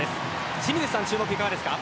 清水さんの注目はいかがですか。